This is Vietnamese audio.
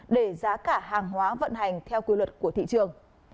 để giá cả hàng hóa vận hành theo quy luật của thị trường